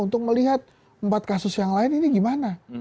untuk melihat empat kasus yang lain ini gimana